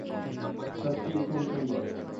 সত্যিই, খুব সুন্দর।